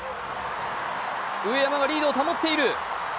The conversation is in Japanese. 上山がリードを保っている。